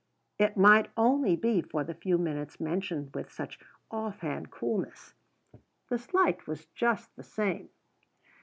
It might only be for the few minutes mentioned with such off hand coolness. The slight was just the same.